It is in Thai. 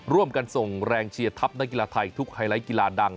ร่วมกันส่งแรงเชียร์ทัพนักกีฬาไทยทุกไฮไลท์กีฬาดัง